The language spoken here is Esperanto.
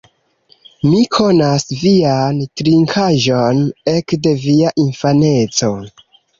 Mi konas vian trinkaĵon ekde via infaneco